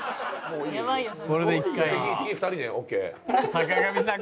坂上さん